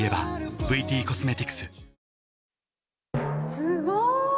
すごーい。